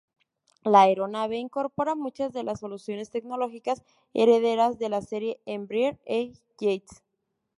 La aeronave incorpora muchas de las soluciones tecnológicas heredadas de la serie Embraer E-Jets.